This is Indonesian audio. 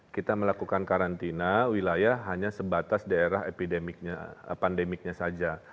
kita melakukan karantina wilayah hanya sebatas daerah pandemiknya saja